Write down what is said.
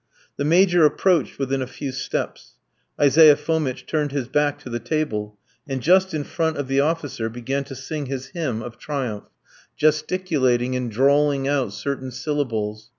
The Major approached within a few steps. Isaiah Fomitch turned his back to the table, and just in front of the officer began to sing his hymn of triumph, gesticulating and drawling out certain syllables.